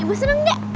bu seneng gak